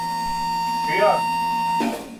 Θεία!